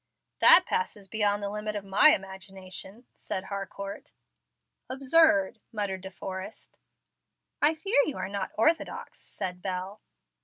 "That passes beyond the limit of my imagination," said Harcourt. "Absurd!" muttered De Forrest. "I fear you are not orthodox," said Bel.